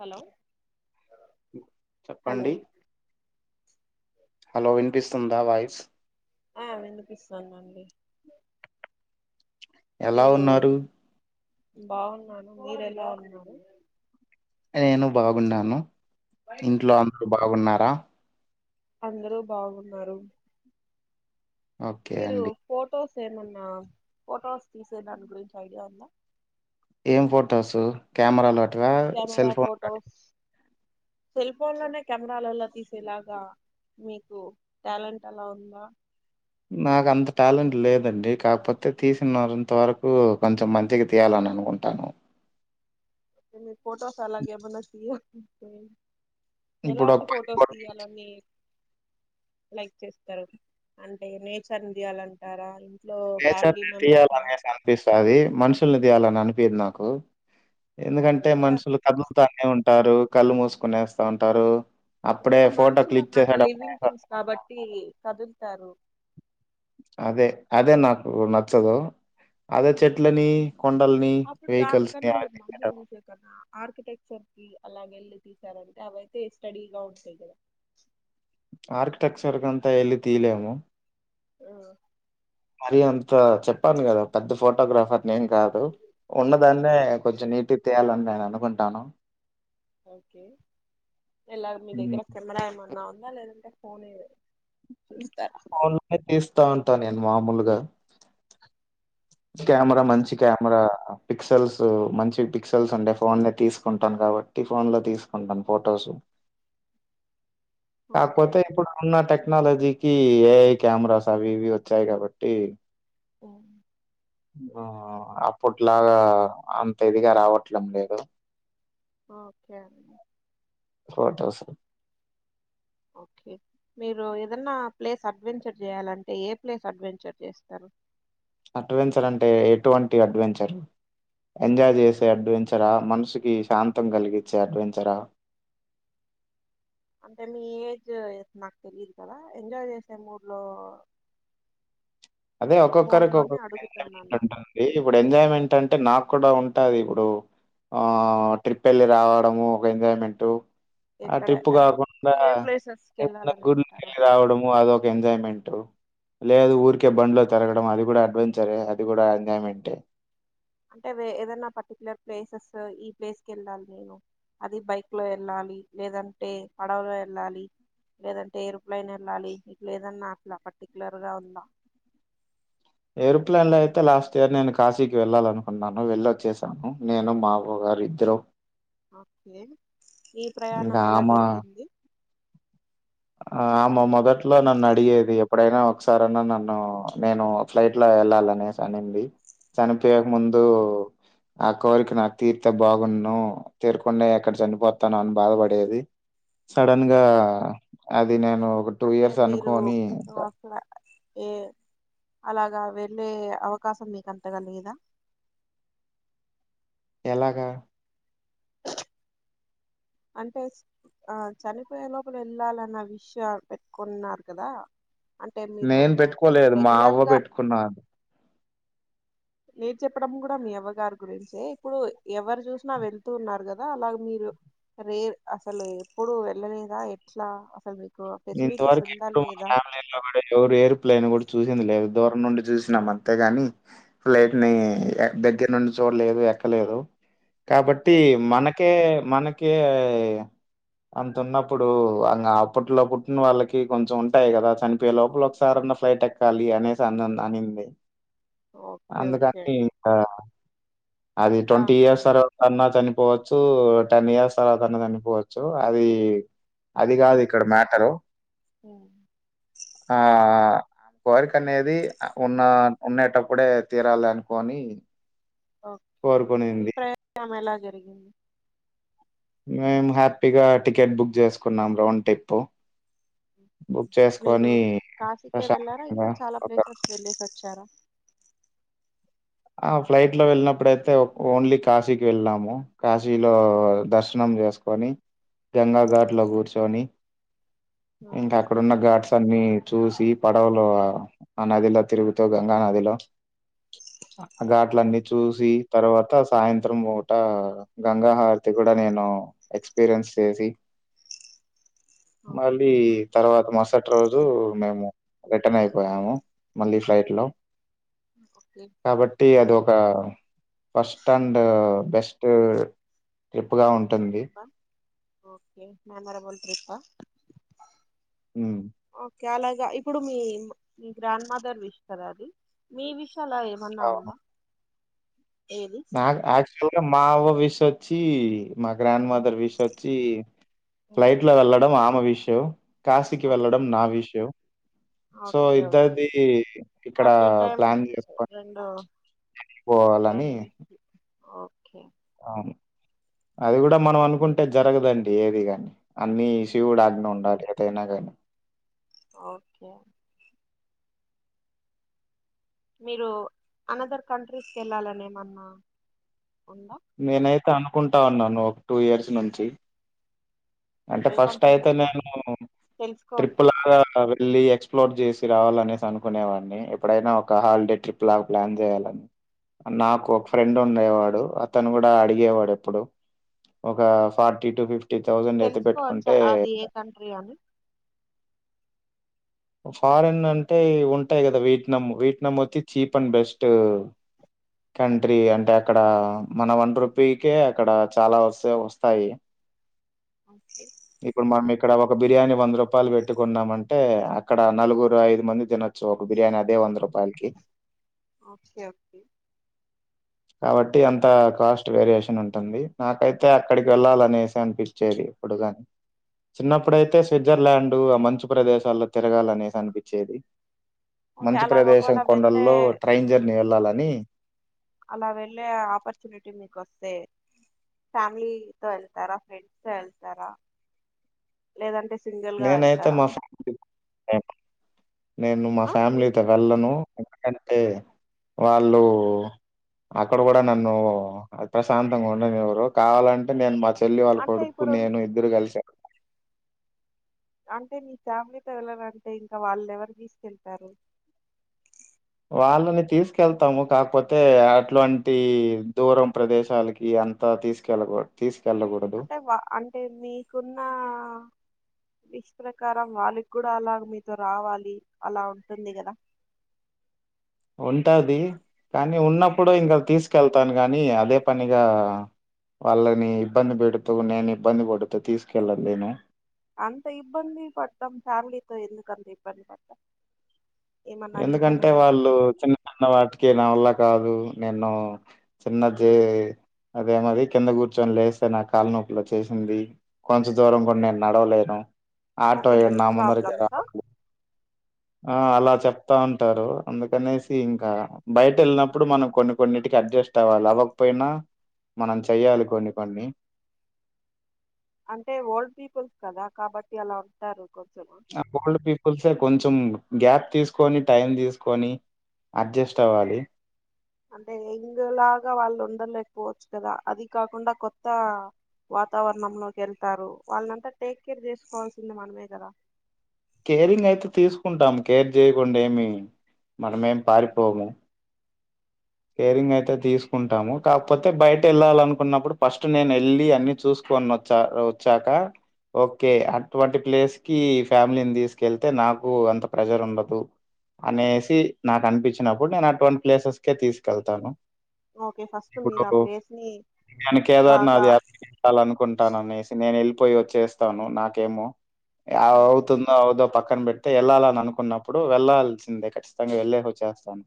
Hello చెప్పండి hello వినిపిస్తుందా voice ఆ వినిపిస్తానండి ఎలా మీరు ఉన్నారు బాగున్నాను మీర ఎలా ఉన్నారు నేను బాగున్నాను ఇంట్లో అందరుూ బాగున్నారా అందరూ బాగున్నారు ఓకే మీరు అండి ఫొటోస్ ఏమన్నా ఫొటోస్ తీసే దాని గురించి ఐడియా ఉందా ఏం ఫొటోస్ కెమెరా లో అటువా కెమెరా సెల్ ఫోన్లుటు ఫొటోస్ సెల్ ఫోన్ లోనే కెమెరాలలా తీసేలాగా మీకు టాలెంట్ ఎలా ఉందా నాకు అంత టాలెంట్ లేదండి కాకపోతే తీసినంత వరకు కొంచెం మంచిగా తీయాలని అనుకుంటాను ఎని ఫోటోస్ అలాగ ఏమన్ ఇప్పుడు ఒక ఎలాంటి పది ఫొటోస్ కోట్ల తీియాలీ లైక్ చేస్తారు అంటే నేచర్ చేయాలంటారా నేచర్ని తీయాలనే అనిపిస్తుది మనుషుల్ని తీయాలని అనిపిది నాకు ఎందుకంటే ఓకే మనుషులు కళ్లుతోనే ఉంటారు కళ్ళు మూసుకునే వస్తా ఉంటారు అప్పుడే ఇంగ ఫోటో మనుషుల క్లిక్ నాక లివింగ్ థింగ్స్ చేసేటప్పుడే కాబట్టి కదులుతారు అదే అదే నాకు నచ్చదు అదే చెట్లని కొండల్ని, అప్పుడు వెహికల్స్‌ని దానికన్నా అవి మీరు మమ్మీ తీయడం చసే కన్నా ఆర్కిటెక్చర్ కి అలాగ వెళ్ళి తీసారంటే అవియితే స్టడీగా ఉంటాయి కదా ఆర్కిటెక్చర్ కంతా ఎళ్ళ తీయలేముో ఆ మరి అంత చెప్పాను కదా పెద్ద ఫోటోగ్రాఫర్ నేం కాదు ఉన్నదాన్నే ఓ- కొంచెం నీటి తేయాలని నేను అనుకుంటాను ఓకే ఇలా మీ హ్మ్. దగ్గర కెమెరా ఏమన్నా ఉందా లేదంటే ఫోన్ అన్ తీస్తా ఉంటా నేను మామూలుగా క్యమెరా మంచి క్యమెరా పిక్సల్స్ మంచి పిక్సల్స్ ఉండే ఫోన్ నే తీసుకుంటాను కాబట్టి ఫోన్ లో తీసుకుంటాను ఫొటోస్ ఓకే కాకపోతే ఇప్పుడు ఉన్న టెక్ టెక్నాలజీకి ఏఐ కెమెరాస్ అవి ఇవి వచ్చాయి కాబట్టి ఓ అప్పట్లాగా అంత ఇదిగా రావట్ల మీరు ఓకే ఫోటోసు ఓకే మీరు ఏదన్నా ప్లేస్ అడ్వెంచర్ చేయాలంటే ఏ ప్లేస్ అడ్వెంచర్ చేస్తారు అడ్వెంచర్ అంటే ఎటువంటి అడ్వెంచరు ఎంజాయ్ చేసే అడ్వెంచరా మనసుకి శాంతం కలిగించే అడ్వెంచరా అంటే మీ ఏజ్ నాకు తెలియదు కదా ఎంజాయ్ చేసే మూడ్ లో అదే మోడ్ ఒక్కొక్కరికి లోనే ఒక్కొక్క ఎంజాయ్మెంట్ అడుగుతున్నాను ఉంటుంది ఇప్పుడు ఎంజాయ్మెంట్ అంటే నాకు కూడా ఉంటాది ఇప్పుడు ఆ ట్రిప్ వెళ్ళి రావడము ఒక ఎంజాయ్మెంట్ ఆ ఎక్కడ ట్రిప్పు అది కాకుండా ఏ ప్లేసెస్కి ఎప్పుడైనా గుళ్కి వెళ్ళాలనుకుంటారు వెళ్ళి రావడము అదొక ఎంజాయ్మెంట్ లేదు ఊరికే బండ్లో తిరగడం అది కూడా అడ్వెంచరే అది కూడా ఎంజాయ్ మెంటే అంటే ఏదనా పర్టిక్యులర్ ప్లేసెస్ ఈ ప్లేస్కి వెళ్ళాలి నేను అది బైక్ లో వెళ్ళాలి లేదంటే పడవలో వెళ్ళాలి లేదంటే ఎయిరుప్లైన్ వెళ్ళాలి ఇట్లేదన్నా అట్లా పర్టిక్యులర్ గా ఉందా ఏరోప్లెన్ లో అయితే లాస్ట్ ఇయర్ నేను కాశీకి వెళ్ళాలనుకున్నాను వెళ్ళోచ్చేసాను నేను మా ఆవ్వా గారు [unintelligible] మేమిద్దరం ఓకే ఈ ప్రయాణం ఇంకా ఎలా ఆమ జరిగింది ఆ మొదట్లో నన్ను అడిగేది ఎప్పుడైనా ఒకసారనా నన్ను నేను ఫ్లైట్ లో వెళ్ళాల అనేసి అనింది చనిపోయే ముందు ఆ కోరిక నా తీర్తే బాగున్ను తీరాకుండా ఎక్కడ చనిపోతానో అని బాధపడేది సడన్ ఓకే గా అది నేను ఒక టూ అంటే ఇయర్స్ మీరు అనుకోని అసల ఏ అలాగా వెళ్ళే అవకాశం మీక అంతగ లేదా ఎలాగా అంటే ఆ చనిపోయే లోపల వెళ్ళాలన్న విషయం పెట్టుకున్నారు కదా అంటే మీరు నేను పెట్టుకోలేదు మా రెగ్యులర్ అవ్వ గా పెట్టుకున్నాను మీరు చెప్పడం కూడా మీ అవ్వగారు గురించే ఇప్పుడు ఎవరు చూసినా వెళ్తూ ఉన్నారు కదా అలాగ మీరు రే అసలు ఎప్పుడు వెళ్ళలేదా ఎట్లా అసలు మీ నేన్ ఇంతవరకు ఎప్పుడు [unintelligible] ఎవరు ఎయిర్ప్లెయిన్ కూడా చూసింది లేదు దూరం నుండి చూసినాం అంతేగాని ఫ్లైట్ ని దగ్గర నుండి చూడలేదు ఎక్కలేదు ఓకే కాబట్టి ఓకే మనకే మన కే అంత ఉన్నప్పుడు అంగ అప్పట్లో పు ఇంగ్ వాళ్ళకి కొంచెం ఉంటాయి కదా, చనిపోయే లోపల ఒకసారి ఉన్న ఫ్లైట్ ఎక్కాలి అనేసి అనింది. ఓకే ఓకే అందుకని ఇంకా అది ఆ ట్వంటీ ఇయర్స్ అరో అన్నా చనిపోవచ్చు, టెన్ ఇయర్స్ తర్వాత అన్న చనిపోవచ్చు అది. అది కాదు ఇక్కడ మ్యాటరు అ ఆ కోరిక అనేది ఉన్న ఉండేటప్పుడే తీరాలి అనుకోని ఓకే ఓకే మీ ప్రయత్నం ఎలా జరిగింది మేము హ్యాపీగా టికెట్ బుక్ చేసుకున్నాం రోన్ టిప్పు ఓకే మీరు కాశీకే వెళ్ళారా ప్రశాంతంగా ఇంకా చాలా ఒక ప్లేసెస్ వెళ్ళసి వచ్చారా ఆ ఫ్లైట్లో వెళ్ళినప్పుడైతే ఓన్లీ కాశీకి వెళ్ళాము కాశీలో దర్శ నం చేసుకొని గంగా ఘాట్లో కూర్చొని ఇంకా ఓకే అక్కడున్న ఘాట్స్ అన్ని చూసి పడవలో ఆ నదిలో తిరుగుతూ గంగా నదిలో ఘాట్ల అన్ని చూసి తర్వాత సాయంత్రం మూట గంగాహరతి కూడా నే ను ఎక్స్పీరియన్స్ చేసి ఓకే మళ్ళీ తర్వాత మ రుసటి రోజు మేము రిటర్న్ అయిపోయాము మళ్ళీ ఫ్లైట్లో ఓకే ఓకే కాబట్టి అది ఒక ఫస్ట్ అండ్ బెస్ట్ ట్రిప్ గా ఉంటుంది ట్రిప్పా ఓకే మెమొరబుల్ ట్రిప్ప హ్మ్ ఓకే అలా గ ఇప్పుడు మీ మీ గ్రాండ్ మదర్ విష్ కదా అది మీ విష్ అలా ఏమన్నా ఉందా ఏది నాక్ అక్చుల్గా మా అవ్వ విష్ వచ్చి మా గ్రాండ్ ఉమ్, మదర్ విష్ వచ్చి ఉమ్, ఫ్లైట్లో వెళ్ళడం ఆమె విషు కాశీకి ఓకే వెళ్ళడం నావిషు సో ఓకే ఓకే ఇద్దరిది ఇక్కడ అట్ ఏ టైమ్ ప్లాన్ చేసుకోని రెండు పోవాలని రెండు విష్లు ఓకే అవును అది కూడా మనం అనుకుంటే జరగదండి ఏది కాని అన్ని ఉమ్. శివుడా ఆగ్నే ఉండాలి ఏదైనా కానీ ఓకే మీరు అనదర్ కంట్రీస్కి ఎళ్ళాలనేమన్నా నేనైతే అనుకుంటా ఉన్నాను ఒక టూ ఇయర్స్ నుంచి అంటే ఏ ఫస్ట్ కంట్రీకి అయితే అండి నేను ట్రిప్ తెలుసుకోవచ్చా లాగా వెళ్ళి ఎక్స్ ఫ్లోర్ చేసి రావాలనేసి అనుకునే వాడిని ఎప్పుడైనా ఒక హాలిడే ట్రిప్ లాగా ప్లాన్ చేయాలని నాకు ఒక ఫ్రెండ్ ఉండేవాడు అతను కూడా అడిగేవాడు ఎప్పుడు ఒక ఫార్టీ టు ఫిఫ్టీ థౌజండ్ తెలుసుకోవచ్చా అది ఏ కంట్రీ అని ఫారెన్ అంటే ఉంటాయి కదా వీట్నం వీట్నం వచ్చి చీప్ అండ్ బెస్ట్ కంట్రీ అంటే అక్కడ మన వన్ రూపీకే అక్కడ చాలా వస్త వస్తాయి ఓకే ఇప్పుడు మనం ఇక్కడ ఒక బిర్యానీ వంద రూపాయలు పెట్టి కోన్నము అంటే అ క్కడ నలుగురు ఐదు మంది తినొచ్చు ఒక బిర్యానీ అదే వందరు ఓకే ఓకే కాబట్టి అంతా కాస్ట్ వేరియేషన్ ఉంటుంది నాకైతే అక్కడికి వెళ్ళాలనేసి అనిపిచ్చేది ఇ ప్పుడు గాని చిన్నప్పుడైతే స్విట్జర్లాండ్ ఆ మంచు ప్రదేశాలో తిరగాలనేసి అనిపిచేది ఓకే మంచు అలాగ ప్రదేశం ఒకవేళ వెళ్ళే కొండల్లో ట్రైన్ జర్నీ వెళ్లాలని అలా వెళ్ళే ఆపర్చునిటీ మీకోస్తే ఫ్యామిలీతో ఎళ్తారా ఫ్రెండ్స్‌తో ఎళ్తారా లేదంటే సింగిల్ గా నేనైతే వెళ్తారా మా ఫ్యామిలీ [unintelligible] నేను మా ఆ మీరు ఫ్యామిలీతో వెళ్ళను ఎందుకంటే వాళ్ళు అక్కడ కూడా నన్ను ప్రశాంతంగా ఉండనీవ్వరు కావాలంటే నేను మ చెల్లి వాళ్ళ అంటే కొడుకు ఇప్పుడు నేను ఇద్దరు కలిసా అంటే మీ ఫ్యామిలీతో వెళ్ళారంటే ఇంకా వాళ్ళని ఎవరు తీసుకెళ్తారు వాళ్ళని తీసుకెళ్తాము కాకపోతే అట్లాంటి దూరం ప్రదేశాలకి అంత తీసుకెళ్లగుడ తీస్ అంటే వా అంటే మీకున్న విష్ ప్రకారం వాళ్ళకి కూడా అలా మీతో రావాలి అలా ఉంటుంది కదా ఉంటది కానీ ఉం. ఉన్నప్పుడు ఇంకా తీస తీకెళ్తాను గాని అదే పనిగా వాళ్ళని ఇబ్బంది పెడుతూ నేను ఇబ్బంది పడుతూ తీసుకెళ లేను అంత ఇబ్బంది పడ్తాం ఫ్యామిలీతో ఎందుకంత ఇబ్బంది పడ్తాం ఎందుకంటే వాళ్ళు చిన్న చిన్న వాటికి నా వాళ్ళ కాదు నేను చిన్న జే అదేమది కింద కూర్చొని లేస్తే నా కాళ్ళనొ పు లోచేసింది కొంచెం దూరం కూడా నేను నడవలేను ఆటో ఓకే నా హెల్త్ ముందరాకే ప్రాబ్లమ్సా రావాలి ఆ అలా చెప్తా ఉంటారు అందుకనేసి ఇంకా బయట వెళ్ళినప్పుడు మనం కొన్ని కొన్నింటికి అడ్జస్ట్ అవ్వాలి అవ్వకపోయినా మనం చెయాలి కొన్ని కొన్ని అంటే ఓల్డ్ పీపుల్స్ కదా కాబట్టి అలా ఉంటారు కొంచెం ఆ ఓల్డ్ పీపుల్సే కొంచెం గ్యాప్ తీసుకొని టైం తీసుకొని అడ్జస్ట్ అవ్వాలి అంటే ఎంగ్లాగా వాళ్ళు ఉండలేకపోవచ్చు కదా అది కాకుండా కొత్త వాతావరణంలోకి వెళ్తారు వాళ్ళనింతా టేక్ కేర్ చేసుకోవాల్సింది మనమే కదా కేరింగ్ అయితే తీసుకుంటాం కేర్ చేయకుండా ఏమి మనమేమి పారిపోము కేరింగ్ అయితే తీసుకుంటాము కాకపోతే బయట వెళ్ళాలనుకున్నప్పుడు ఫస్ట్ నేను వెళ్ళి అన్ని చూసు కొన్ వచ్చా వచ్చాక ఓకే అటువంటి ప్లేస్ కి ఫ్యామిలీని తీసుకెళ్తే నాకు అంత ప్రజర్ ఉండదు అనేసి నాకు అనిపించినప్పుడు నేను ఆ ట్వంటీ ప్లేసెస్ కే తీసుకెళ్తాను ఓకే ఫస్ట్ మీరు ఇప్పుడు ఆ ప్లేస్ ని నేను కేదారు బాగా నాద్ యాత్ర ఎక్కాలి అనుకుంటాను అనేసి నేను వె పోయి వచ్చేస్తాను నాకేమో ఉమ్, అవుతుందో అవుదో పక్క పక్కన పెడితే వెళ్ళాలని అనుకున్నప్పుడు వెళ్లాాల్సిందే ఖచ్చితంగా వెళ్లేే వచ్చేస్తాను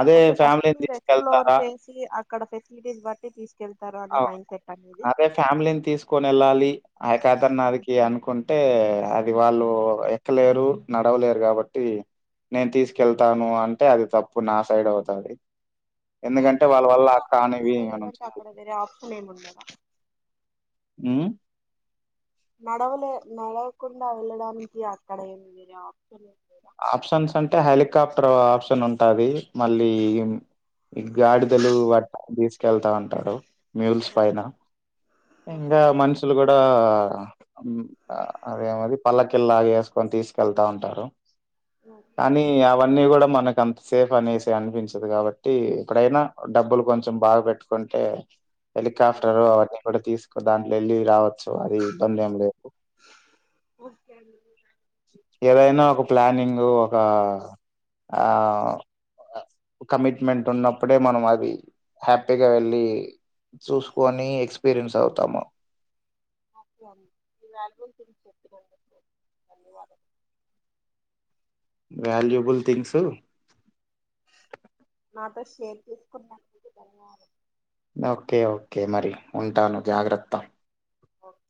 అదే ఓకే ఫస్ట్ ఫ్యామలీ ఎక్స్ప్లోర్ చేసి అక్కడ ఫెసిలిటీస్ బట్టి తీసుకు అవు అదే ఫ్యామిలీని తీసుకొని వెళ్ళాలి ఆ కేదార్ నాథ్కీ అను అనుకుంటే అది వాళ్ళు ఎక్కలేరు నడవలేరు కాబట్టి నేను తీసుకెళ్తాను అంటే అది తప్పు నా సైడ్ అవుతుంది ఎందుకంటే అంటే వాళ్ళ వల్ల కానివి మనం చ హ్మ్మ్ హ్మ్మ్ నడవలే నడవకుండా వెళ్ళడానికి అక్కడ ఏమన్న ఆప్షన్ లేదా ఆప్షన్స్ అంటే హెలికాప్టర్ ఆప్షన్ ఉంటుంది మళ్ళీ ఈ గాడిదలు వట్ట తీసుకెళ్తా ఉంటారు మ్యూల్స్ ఓ- పైన ఇంకా ఓకే మనుషులు కూడా అదేమది పల్లకిల్లాగా వేసుకొని తీసుకెళ్తా ఉంటారు ఓకే కానీ అవన్నీ కూడా మనకు ఎంత సేఫ్ అనేసి అనిపించదు కాబట్టి ఎక్కడైనా డబ్బులు కొంచెం బాగా పెట్టుకుంటే హెలికాప్టర్ అవన్నీ కూడా తీసుకో దాంట్లో వెళ్ళి రావ సో అది ఇబ్బంది ఏమి లేదు ఓకే అండి ఏదైనా ఒక ప్లానింగ్ ఒక ఆ కమిట్మెంట్ ఉన్నప్పుడే మనం అది హ్యాపీగా వెళ్ళి చూసుకొని ఎక్స్పీరియన్స్ అవుతాము [unintelligible] వాల్యుబుల్ థింగ్స్ నాతో షేర్ చేసుకున్నందుకు ధన్యవాదాలు ఓకే ఓకే మరి ఉంటాను జాగ్రత్త ఓకే